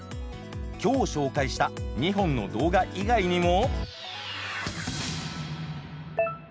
今日紹介した２本の動画以外にも。